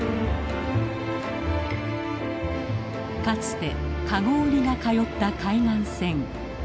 かつてカゴ売りが通った海岸線。